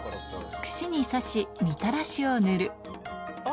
串に刺し、みたらしを塗る。